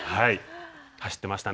走ってましたね。